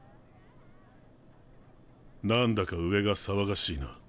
何だか上が騒がしいな。